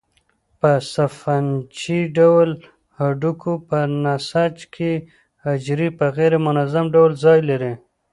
په سفنجي ډوله هډوکو په نسج کې حجرې په غیر منظم ډول ځای لري.